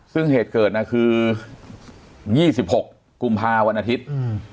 ซึ่งเหตุเกิดนะคือ๒๖กุมภาวันอาทิตย์